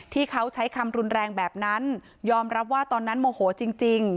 ที่เขาใช้คำรุนแรงแบบนั้นยอมรับว่าตอนนั้นโมโหจริง